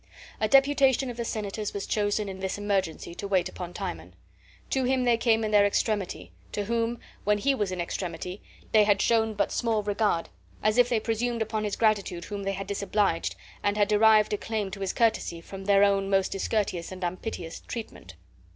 A deputation of the senators was chosen in this emergency to wait upon Timon. To him they come in their extremity, to whom, when he was in extremity, they had shown but small regard; as if they presumed upon his gratitude whom they had disobliged, and had derived a claim to his courtesy from their own most discourteous and unpiteous treatment.